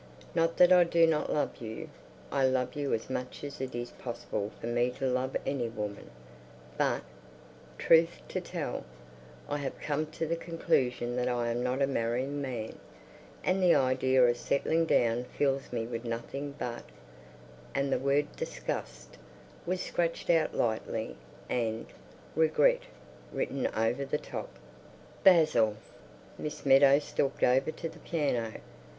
Not that I do not love you. I love you as much as it is possible for me to love any woman, but, truth to tell, I have come to the conclusion that I am not a marrying man, and the idea of settling down fills me with nothing but—" and the word "disgust" was scratched out lightly and "regret" written over the top. Basil! Miss Meadows stalked over to the piano.